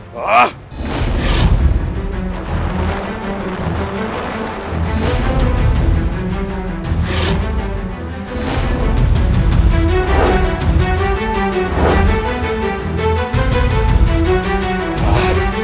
kau tak bisa menemukan dia